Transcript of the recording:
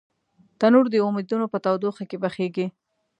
تنور د امیدو په تودوخه کې پخېږي